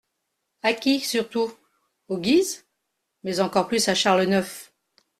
À qui surtout ? aux Guises, mais encore plus à Charles IX.